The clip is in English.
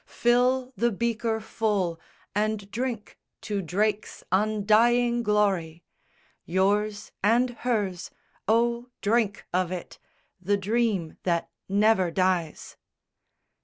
Fill the beaker full and drink to Drake's undying glory, Yours and hers (Oh, drink of it!) The dream that never dies.